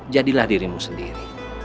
jadilah dirimu sendiri